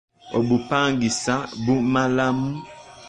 Obupangisa bumalamu.